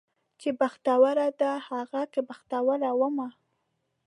چې بختوره ده هغه که بختوره ومه